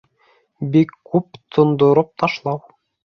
Бик күп тондороп ташлау